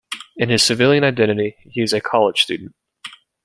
In his civilian identity, he is a college student.